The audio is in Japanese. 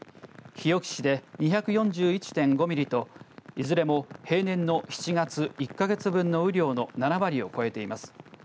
日置市で２４１．５ミリといずれも平年の７月１か月分の雨量の７割を超えています。